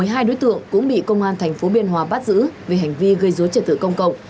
hai đối tượng cũng bị công an thành phố biên hòa bắt giữ về hành vi gây dối trật tự công cộng